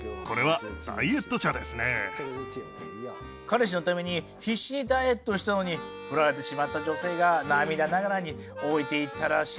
彼氏のために必死にダイエットしたのにフラれてしまった女性が涙ながらに置いていったらしいぜ。